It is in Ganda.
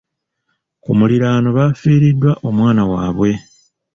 Ku muliraano baafiiriddwa omwana waabwe.